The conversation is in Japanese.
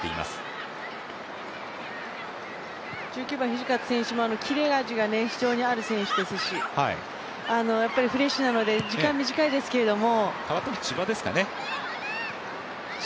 １９番、土方選手も非常にキレがある選手ですのでフレッシュなので、時間短いですけれども。